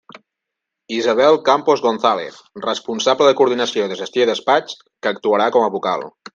Isabel Campos González, responsable de Coordinació de Gestió i Despatx, que actuarà com a vocal.